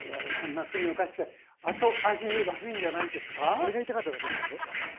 これが言いたかっただけなんでしょ。